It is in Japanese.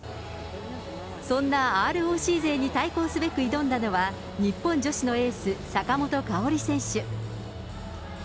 そんなＲＯＣ勢に対抗すべく挑んだのは、日本女子のエース、坂本花織選手。